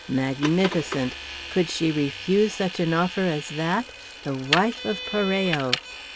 Magnificent! Could she refuse such an offer as that? The wife of Parello!